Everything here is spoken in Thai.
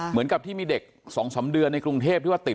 เหมือนกับที่มีเด็ก๒๓เดือนในกรุงเทพที่ว่าติด